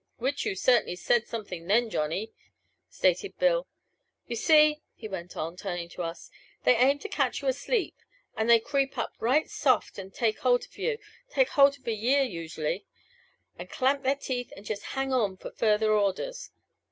"Which you certainly said something then, Johnny," stated Bill. "You see," he went on, turning to us, "they aim to catch you asleep and they creep up right soft and take holt of you take holt of a year usually and clamp their teeth and just hang on for further orders.